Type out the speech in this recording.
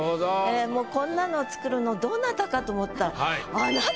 もうこんなのを作るのどなたかと思ったら。